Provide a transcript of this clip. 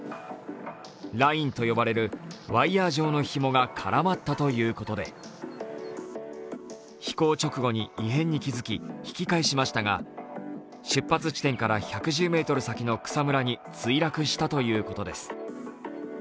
ラインと呼ばれるワイヤー状のひもが絡まったということで、飛行直後に異変に気づき引き返しましたが出発地点から１１０ｍ先の草むらに墜落したということです。